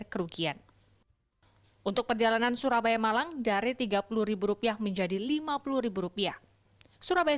kerugian untuk perjalanan surabaya malang dari tiga puluh rupiah menjadi lima puluh rupiah surabaya